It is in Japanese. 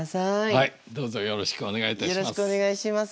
はいどうぞよろしくお願いいたします。